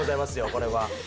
これは。